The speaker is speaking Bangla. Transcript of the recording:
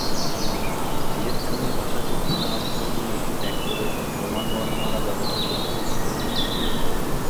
ভিয়েতনামী ভাষাতে চীনা অক্ষরগুলি ত্যাগ করে রোমান বর্ণমালা ব্যবহার করে হচ্ছে।